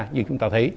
như chúng ta thấy